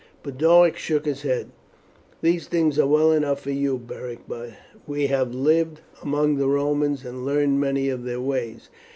Boduoc shook his head, "These things are well enough for you, Beric, who have lived among the Romans and learned many of their ways.